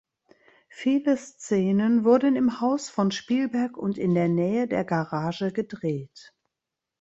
Viele Szenen wurden im Haus von Spielberg und in der Nähe der Garage gedreht.